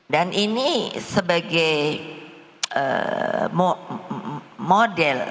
dan ini sebagai model